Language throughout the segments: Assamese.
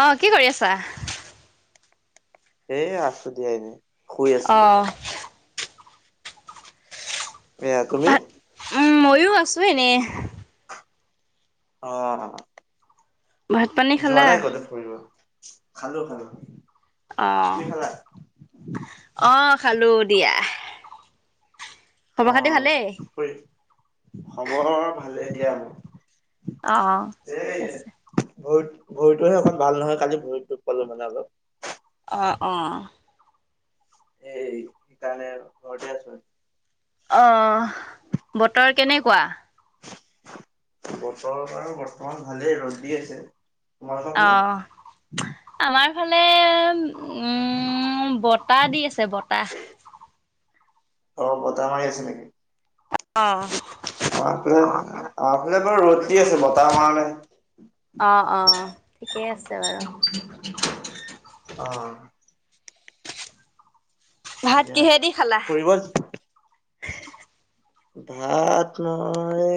অ, কি কৰি আছা। এ, আছো দিয়া এনেই। অঁ। এয়া, তুমি? মই এনেই। অঁ। ভাত পানী যোৱা খালা? নাই কতো ফুৰিব, খালো খালো অ তুমি খালা? অ খালো দিয়া। অ খব-খাতি ভালেই? ফুৰি খবৰ, ভালেই দিয়া। অ, অ, ঠিক এই আছে। ভৰি ভৰিটোহে অকণ ভাল নহয়, কালি ভৰিত দুখ পালো মানে অলপ। অ, অ। এই, সেইকাৰণে আৰু ঘৰতে আছ অহ, বতৰ কেনেকুৱা? বতৰ বাৰু বৰ্তমান ভালেই ৰ'দ দি আছে। তোমালোকৰ অ, ফালে আমাৰ ফালে উম, বতাহ দি আছে বতাহ। অ, বতাহ মাৰি আছে নেকি? অ। আমাৰ ফালে, আমাৰ ফালে বাৰু ৰদ দি আছে বতাহ মৰা নাই। অ, অ, অ, ঠিকেই আছে বাৰু। অ। ভাত দিয়া কিহেদি খালা? ফুৰিব ভাত, মই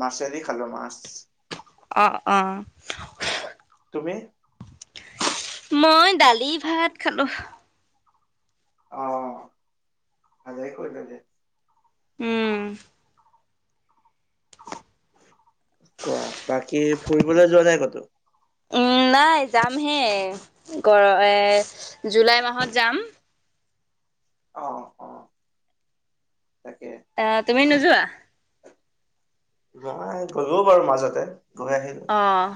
মাছেদি খালো, মাছ। অ, অ। তুমি? মই দালি ভাত খালো। অ, ভালেই কৰিলা দি উম। কোৱা, বাকী ফুৰিবলৈ যোৱা নাই কতো? উম, নাই যামহে গৰ-এ, জুলাই মাহত যাম। অ, অ, তাকে। আ, তুমি নোযোৱা? নাই, গলো বাৰু মাজতে। গৈ আহিলো। অহ।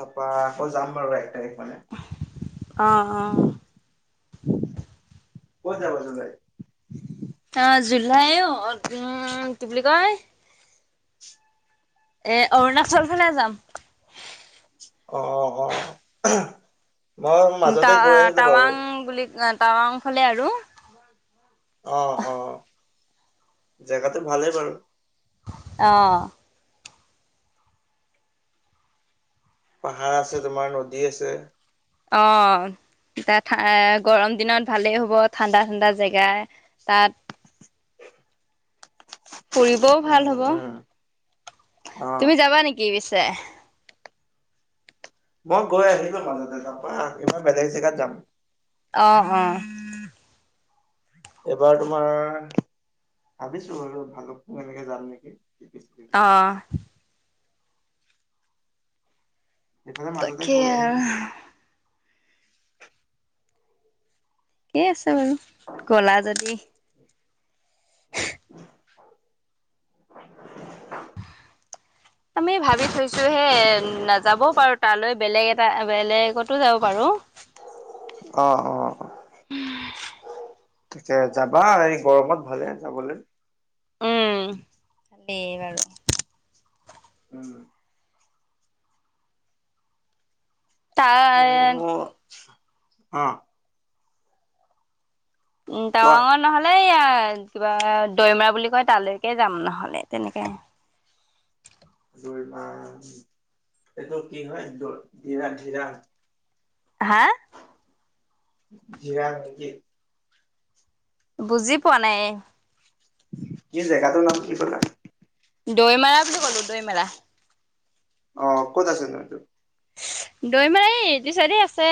তাৰপা, আকৌ যাম বাৰু একটাই অ, অ। কত যাবা [unintelligible] আ, জুলাই অ, উম, কি বুলি কয়। এ, অৰুণাচল ফালে যাম। অ', অ', মই মাজতে গৈ আহিলো বাৰু। টাৱা-টাৱাং বুলি টাৱাংফালে আৰু। অ, অ, জেগাটো ভালেই বাৰু। অ। পাহাৰ আছে তোমাৰ নদী আছে। অ এতিয়া গৰম দিনত ভালেই হ'ব ঠাণ্ডা ঠাণ্ডা। জেগা তাত ফুৰিবও ভাল উম, হব উম, অ'। তুমি যাবা নেকি [unintelligible] মই গৈ আহিলো মাজতে তাৰ পা ইবাৰ বেলেগ জেগাত যাম। অ, অ। এবাৰ তোমাৰ, ভাবিছো [unintelligible] এনেকে যাম নেকি। অহ। সিফালে মাজতে তাকে গৈ আহিছ আৰু ঠিকেই আছে বাৰু, গলা যদি। [unintelligible] আমি ভাবি থৈছো হে নাযাবও পাৰো তালৈ বেলেগ এটা বেলেগতো যাব পাৰো। অ অ এয়া যাবা এই গৰমত ভালে যাবলৈ। উম [unintelligible] উম, তাৰ অ আহ, উম কোৱা। তাঙৰ নহলে ইয়াৰ, কিবা দৈমৰা বুলি কয় তালৈকে যাম নহলে তেনেকে। বা এইটো কি হয় ধিৰা ধিৰা, হা, জিৰা নেকি। বুজি পোৱা নাই। এই জেগাটোৰ নাম কি কলা। দৈমৰা বুলি ক'লো দৈমাৰা। অ ক'ত আছে নো সেইতো, দৈমাৰ এই এইটো চাইদে আছে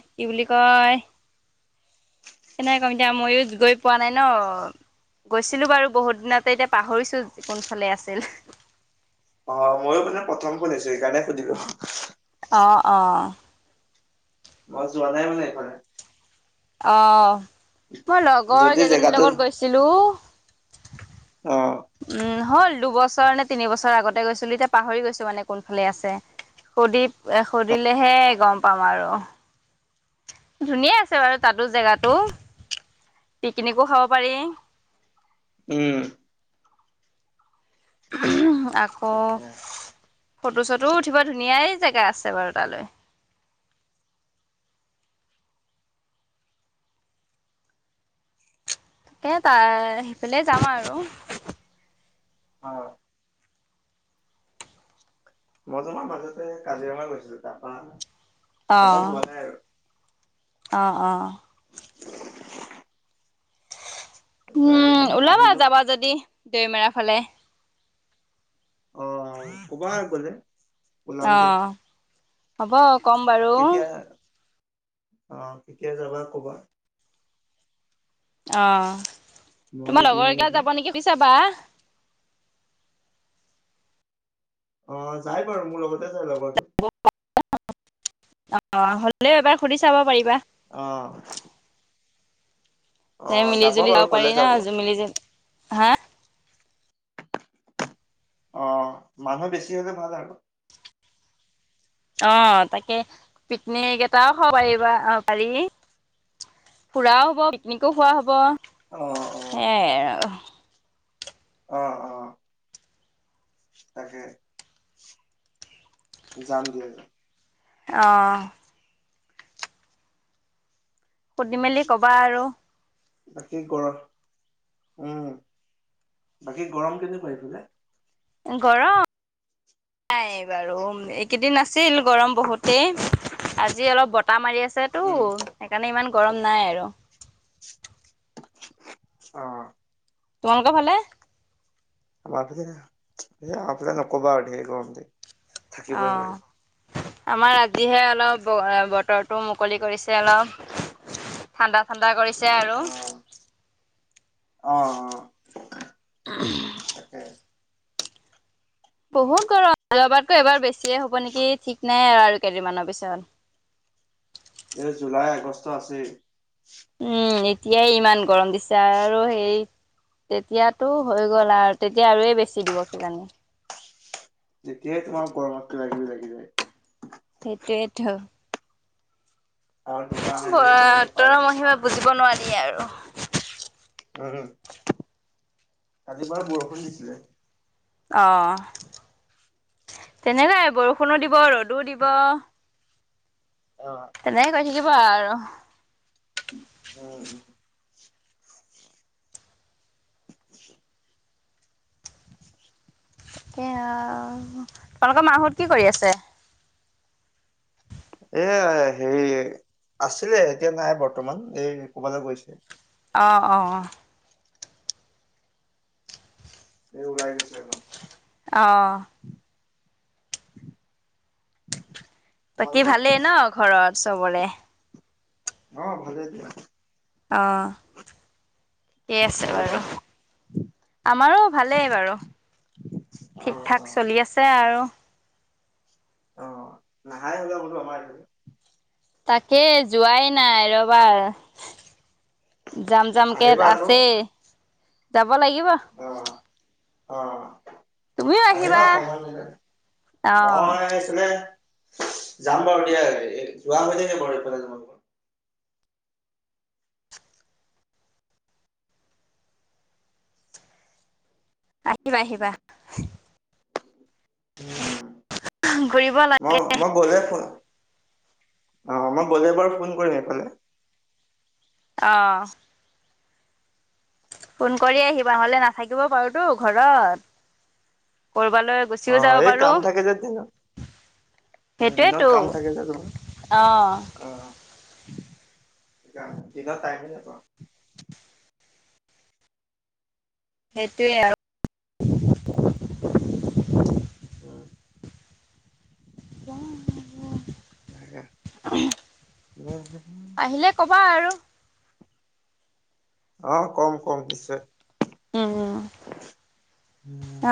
কি বুলি কয়। কেনেকে কম এতিয়া মইয়ো গৈ পোৱা নাই ন গৈছিলো বাৰু বহুত দিনতে এতিয়া পাহৰিছো কোনফালে আছিল। অ ময়ো মানে প্ৰথম শুধিছো সকাৰণে সুধিলো। অঁ অঁ, মই যোৱা নাই মানে এইফালে। অ মই লগৰ যদি কেইজনীৰ জেগাটো লগত গৈছিলো। অ উম হল দুবছৰ নে তিনিবছৰ আগতে গৈছিলো এতিয়া পাহৰি গৈছো মানে কোনফালে আছে। সুধি এ সুধিলেহে গম পাম আৰু ধুনীয়াই আছে বাৰু তাতো জেগাতো। পিকনিকো খাব পাৰি। উম, আক ফটো চটো উঠিব ধুনীয়াই জেগা আছে বাৰু তালৈ। কে তাৰ সেফালে যাম আৰু। অ। মই তোমাৰ মাজতে কাজিৰঙা গৈছিলো। জাপান, অ', জাপান যোৱা নাই আৰু। অ অ। [inaudible] উম ওলাবা আহিলো যাবা যদি দেমেৰা ফালে। অ ক'বা গ'লে। ওলাম অ দিয়া হ'ব কম বাৰু। অ কেতিয়া যাবা কবা। অ মই তোমাৰ ৰেডি লগৰ হৈ এগলা থাকিম যাব নেকি শুধি চাবা? অ যাই বাৰু মোৰ লগতে যাই লগৰটো। [unintelligible] অ হলেও এবাৰ সুধি চাব পাৰিবা। অহ। তে অহ মিলি জুলি বাৰু যাব কলে পাৰি না মিলি জুল, হা? অ মানুহ বেছি হ'লে ভাল আৰু। অ তাকে পিকনিক এটাও খাব পাৰিবা অহ পাৰি। ফুৰাও হ'ব পিকনিকো খোৱা হ'ব, অহ সেইয়াই আৰু। অ অ। তাকে যাম দিয়া যা অহ। সুধি মেলি কবা আৰু। বাকী ক উম। বাকী গৰম কেনেকুৱা এইফালে? গৰ নাই বাৰু এইকেইদিন আছিল গৰম বহুতেই। আজি অলপ বতাহ মাৰি আছেটো উম সেইকাৰণে ইমান গৰম নাই আৰু। অ তোমালোকৰফালে আমাৰ ফালতে আমাৰ ফলে নকবা আৰু ঢেৰ গৰম যে অ থাকিবই নোৱাৰি। আমাৰ আজিহে অলপ অ বতৰটো মুকলি কৰিছে অলপ। ঠাণ্ডা ঠাণ্ডা কৰিছে আৰু। অ অ তাকে। বহুত গৰম যোৱা বাৰতকৈ এবাৰ বেছিয়ে হ'ব নেকি ঠিক নাই আৰু। কেইদমানৰ পিছত এই জুলাই আগষ্ট আছেই। উম এতিয়াই ইমান গৰম দিছে আৰু সেই তেতিয়াতো হৈ গ'ল আৰু তেতিয়া আৰুৱে বেছি দিব কিজানি। যেতিয়াই তোমাৰ গৰমত কিবা কিবি লাগি যায়। সেইটোৱেইেতো। আৰু দুমাহ উ এনেকে কেনেকে পাৰ বতৰৰ মহিমা বুজিব নোৱাৰি আৰু। উম কালি বাৰু বৰষুণ দিছিলে। অহ। তেনে নাই বৰষুণো দিব ৰ'দো দিব। তেনেকে কৈ থাকিব আৰু। উম, উম। [unintelligible] তোমালোকৰ মাহোঁত কি কৰি আছে? এ, হেৰি আছিলে, এতিয়া নাই বৰ্তমান এই ক'বালৈ গৈছে। অ', অ'। এই ওলাই গৈছে [unintelligible] অ'। বাকী তোমালোকৰ? ভালেই ন' ঘৰত চবৰে? অ', ভালেই দিয়া। অ'। ঠিকেই আছে তোমালোকৰ? বাৰু, আমাৰো ভালেই বাৰু। অ' ঠিক অ'। ঠাক চলি আছে আৰু। অ', নাহাই হ'লা বোলোঁ আমাৰ এইফা তাকে যোৱাই নাই ৰবা যাম যাম কে আহিবা আকৌ। আছে হব লাগিব অ' অ আহিবা সময় মিলাই অ মই এইফালে যাম বাৰু দিয়া যোৱা হৈ থাকে বাৰু এইফালে যাম আহিবা আহিবা উম, ঘুৰিব লাগে মই, মই গ'লে ফোন অ', মই গ'লে বাৰু ফোন কৰিম এইফালে। অ'। ফোন কৰি আহিবা নহ'লে নাথাকিবও পাৰোতোঁ ঘৰত। ক'ৰবালৈ অ গুচিও যাব এই কাম পাৰোঁ। থাকে যে দিনত উম, দিনত কাম থাকে যে, অ তোমাৰ। আ। [unintelligible] সেইটোৱে আৰু উম [unintelligible] উম আহিলে ক'বা আৰু অ কম কম নিশ্চয়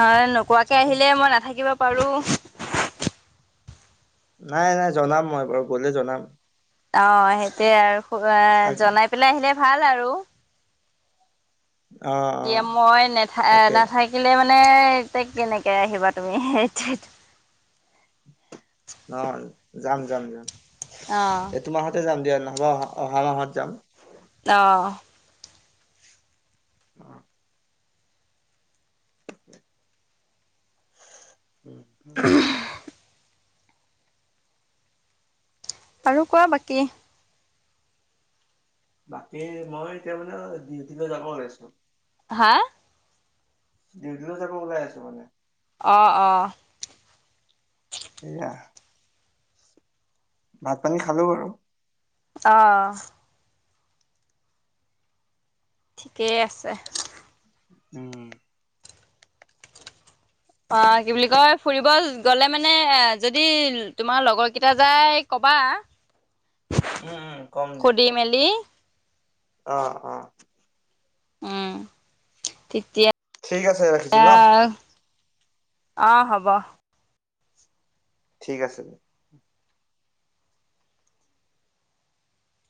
অ নোকোৱাকে আহিলে মই নাথাকিব পাৰো নাই নাই জনাম মই বাৰু গলে জনাম অ সেইটোয়ে আৰু আগ জনাই পেলাই আহিলে ভাল আৰু অ অ এতিয়া মই নেথা তাকে নাথাকিলে মানে মানে এতিয়া কেনেকে আহিবা তুমি ন যাম যাম যাম এই সেইটোৱেটো তোমাহতে যাম দিয়া নহব অহা অহা মাহত যাম অহ অহ উম আৰু কোৱা বাকী বাকী মই এতিয়া মানে ডিউটি লৈ যাব ওলাইছো হা ডিউটি যাব ওলাই আছো মানে অঁ অঁ সেয়া ভাত পানী খালো বাৰু অ অহ ঠিকেই আছে উম অ কি বুলি কয় ফুৰিব গলে মানে এ যদি তোমাৰ লগৰ কেইটা যাই কবা উম কম দিয়া সুধি কম মেলি অ অ উম তিতিয়া ঠিক আছে ৰাখিছো না অ হব ঠিক আছে